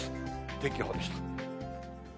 天気予報でした。